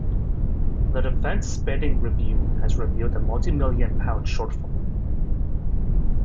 The Defence Spending Review has revealed a multi-million pound shortfall.